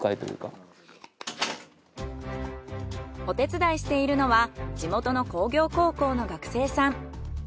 お手伝いしているのは地元の工業高校の学生さん。